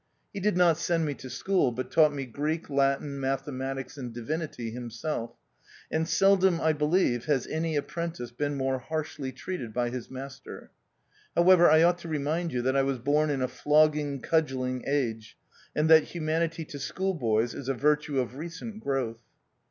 He did not send me to school, but taught me Greek, Latin, mathematics and divin ity himself; and seldom, I believe, has any apprentice been more harshly treated by his master. However, I ought to remind you that I was born in a flogging, cudgelling age, and that humanity to schoolboys is a virtue of recent growth.